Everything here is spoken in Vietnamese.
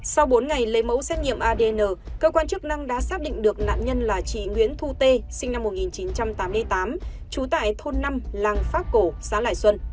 sau bốn ngày lấy mẫu xét nghiệm adn cơ quan chức năng đã xác định được nạn nhân là chị nguyễn thu tê sinh năm một nghìn chín trăm tám mươi tám trú tại thôn năm làng phát cổ xã lại xuân